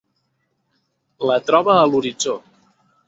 La troba a l'horitzó.